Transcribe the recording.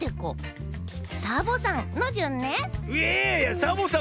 サボさん